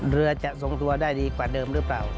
เรือจะทรงตัวได้ดีกว่าเดิมหรือเปล่า